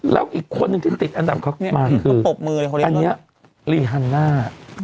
แล้วอีกคนหนึ่งที่ติดอันดับเขามาคืออันนี้ลีฮันน่า